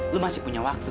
lu masih punya waktu